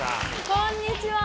こんにちは。